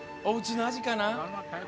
おうちの味かな。